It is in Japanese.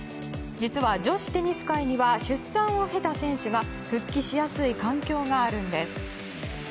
実は女子テニス界には出産を経た選手が復帰しやすい環境があるんです。